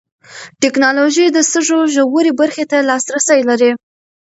ټېکنالوژي د سږو ژورې برخې ته لاسرسی لري.